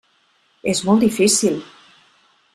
És molt difícil.